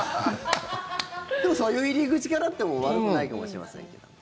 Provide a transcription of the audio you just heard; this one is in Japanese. でもそういう入り口からというのも悪くないかもしれませんけど。